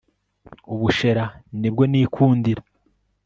ubushera nibwo ni kundira